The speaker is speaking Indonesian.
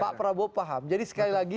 pak prabowo paham jadi sekali lagi